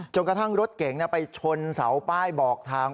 กระทั่งรถเก๋งไปชนเสาป้ายบอกทาง